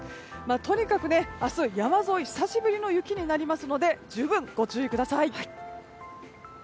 とにかく明日、山沿い久しぶりの雪となりますので十分ご注意ください。